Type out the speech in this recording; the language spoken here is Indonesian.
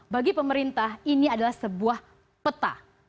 bagi pemerintah ini adalah sebuah peta